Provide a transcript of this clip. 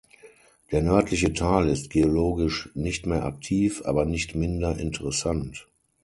Der nördliche Teil ist geologisch nicht mehr aktiv, aber nicht minder interessant.